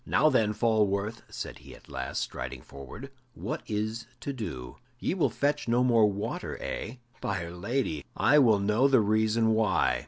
"Now, then, Falworth," said he at last, striding forward, "what is to do? Ye will fetch no more water, eh? By 'r Lady, I will know the reason why."